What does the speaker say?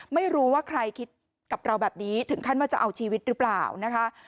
ไม่รู้ว่าใครคิดกับเราแบบนี้ถึงขั้นว่าจะเอาชีวิตหรือเปล่านะคะ